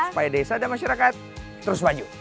supaya desa dan masyarakat terus maju